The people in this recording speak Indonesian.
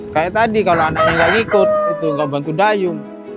kayak tadi kalau anaknya gak ikut itu gak bantu dayung